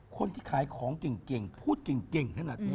คนที่ขายของเก่งพูดเก่งถ้านักเนี่ย